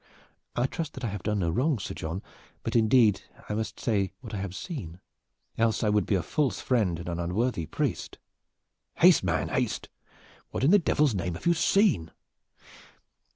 "I trust that I have done no wrong, Sir John, but indeed I must say what I have seen, else would I be a false friend and an unworthy priest." "Haste man, haste! What in the Devil's name have you seen?"